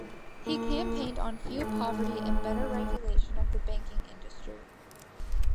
He campaigned on fuel poverty and better regulation of the banking industry.